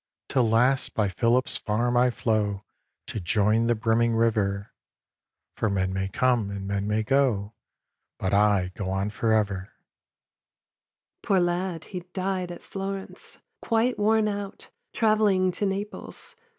Till last by Philip's farm I flow To join the brimming river, For men may come and men may go, But I go on for ever. 'Poor lad, he died at Florence, quite worn out, Travelling to Naples.